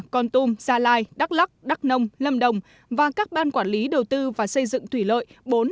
con tôm gia lai đắk lắc đắk nông lâm đồng và các ban quản lý đầu tư và xây dựng thủy lợi bốn năm sáu bảy tám